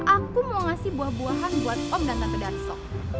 aku mau ngasih buah buahan buat om dan tante darso